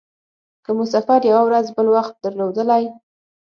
که مو سفر یوه ورځ بل وخت درلودلای.